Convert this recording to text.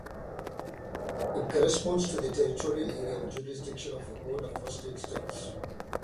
It corresponds to the territorial area of jurisdiction of a court of first instance.